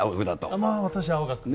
まあ、私は青学。